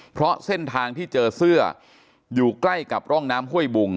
เพราะเส้นทางที่เจอเสื้ออยู่ใกล้กับร่องน้ำห้วยบุง